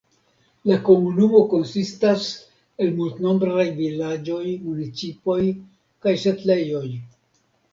La komunumo konsistas el multnombraj vilaĝoj, municipoj kaj setlejoj.